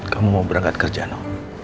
kamu mau berangkat kerja no